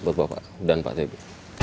buat bapak dan pak tb